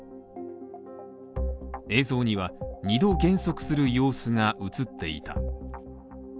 映像には、２度減速する様子が映っていた。